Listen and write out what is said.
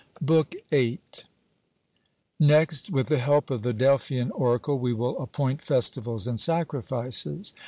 BOOK VIII. Next, with the help of the Delphian Oracle, we will appoint festivals and sacrifices.